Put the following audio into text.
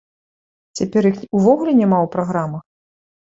Цяпер іх увогуле няма ў праграмах?